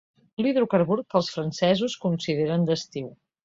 L'hidrocarbur que els francesos consideren d'estiu.